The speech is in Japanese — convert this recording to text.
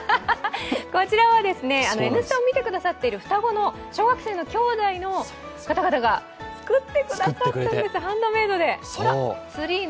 こちらは「Ｎスタ」を見てくださっている双子の小学生のきょうだいの方々が作ってくださったんです、ハンドメイドで。